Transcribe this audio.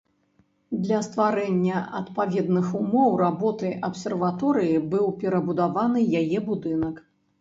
Для стварэння адпаведных умоў работы абсерваторыі быў перабудаваны яе будынак.